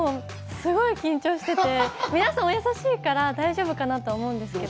すごい緊張してて、皆さん、お優しいから大丈夫かなと思うんですけど。